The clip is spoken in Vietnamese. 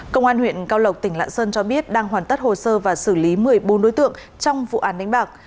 công an huyện cao lộc tỉnh lạng sơn cho biết đang hoàn tất hồ sơ và xử lý một mươi bốn đối tượng trong vụ án đánh bạc